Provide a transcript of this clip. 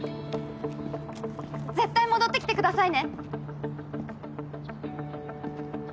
絶対戻ってきてくださいね！